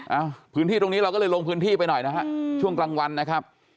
พื้นที่ตรงนี้เราก็เลยลงพื้นที่ไปหน่อยนะฮะช่วงกลางวันนะครับ